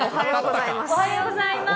おはようございます。